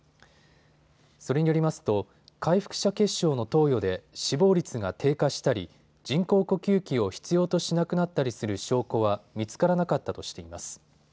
それによりますと回復者血しょうの投与で死亡率が低下したり人工呼吸器を必要としなくなったりする証拠は見つからなかったとしています。